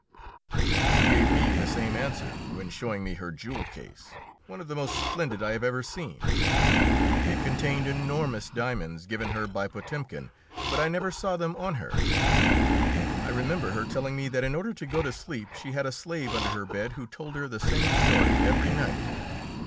She gave me the same answer when showing me her jewel case, one of the most splendid I have ever seen. It contained enormous diamonds given her by Potemkin, but I never saw them on her. I remember her telling me that in order to go to sleep she had a slave under her bed who told her the same story every night.